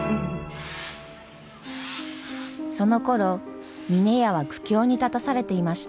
そのころ峰屋は苦境に立たされていました。